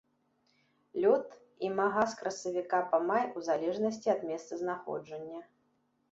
Лёт імага з красавіка па май у залежнасці ад месцазнаходжання.